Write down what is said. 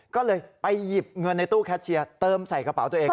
ก็เลยไปหยิบเงินในตู้แคชเชียร์เติมใส่กระเป๋าตัวเอง